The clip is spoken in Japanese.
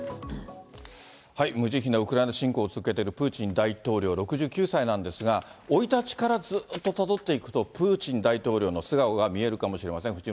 無慈悲なウクライナ侵攻を続けているプーチン大統領６９歳なんですが、生い立ちからずっとたどっていくと、プーチン大統領の素顔が見えるかもしれません。